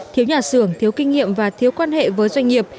thiếu nhà xưởng thiếu kinh nghiệm và thiếu quan hệ với doanh nghiệp